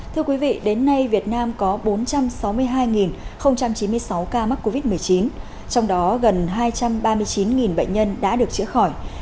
thưa quý vị đến nay việt nam có bốn trăm sáu mươi hai chín mươi sáu ca mắc covid một mươi chín trong đó gần hai trăm ba mươi chín bệnh nhân đã được chữa khỏi